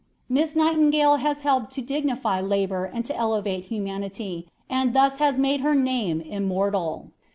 Miss Nightingale has helped to dignify labor and to elevate humanity, and has thus made her name immortal.